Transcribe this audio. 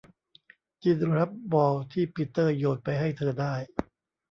จิลล์รับบอลที่ปีเตอร์โยนไปให้เธอได้